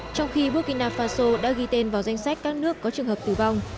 trong khi burkina faso đã ghi tên vào danh sách các nước có trường hợp tử vong